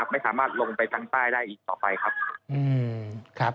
ก็คือไม่สามารถใช้การได้ชั่วคราวครับ